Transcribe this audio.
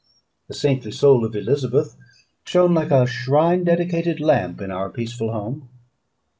The saintly soul of Elizabeth shone like a shrine dedicated lamp in our peaceful home.